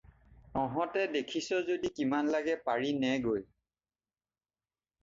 তহঁতে দেখিছ যদি কিমান লাগে পাৰি নে গৈ।